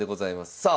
さあ。